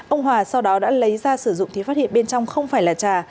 ông hòa sau đó đã lấy ra sử dụng thì phát hiện bên trong không phải là trà